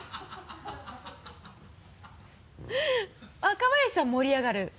若林さん盛り上がる？